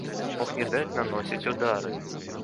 Мог не даць наносіць удары.